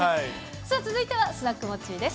さあ、続いてはスナックモッチーです。